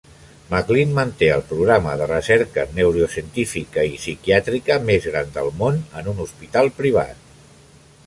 McLean manté el programa de recerca neurocientífica i psiquiàtrica més gran del món en un hospital privat.